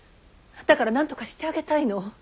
だからなんとかしてあげたいの。